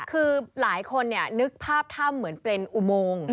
คือหลายคนนึกภาพถ้ำเหมือนเป็นอุโมง